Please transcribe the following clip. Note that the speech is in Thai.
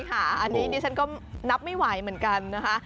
ใช่ค่ะอันนี้นี่ฉันก็นับไม่ไหวเหมือนกันนะคะ